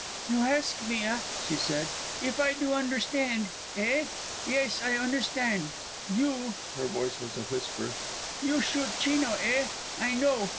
"You aisk me a," she said, "eef I do onderstaind, eh? Yais, I onderstaind. You " her voice was a whisper "you shoot Chino, eh? I know.